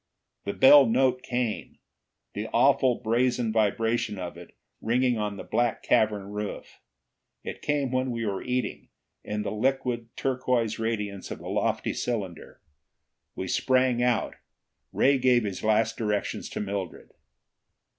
The bell note came, the awful brazen vibration of it ringing on the black cavern roof. It came when we were eating, in the liquid turquoise radiance of the lofty cylinder. We sprang out. Ray gave his last directions to Mildred.